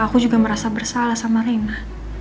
aku juga merasa bersalah sama rina